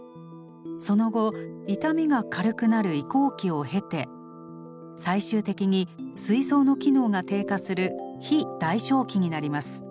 その後痛みが軽くなる移行期を経て最終的にすい臓の機能が低下する非代償期になります。